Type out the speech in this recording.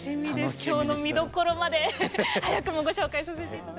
今日の見どころまで早くもご紹介させて頂きました。